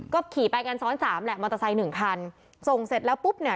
ก็ขี่ไปกันซ้อนสามแหละมอเตอร์ไซค์หนึ่งคันส่งเสร็จแล้วปุ๊บเนี่ย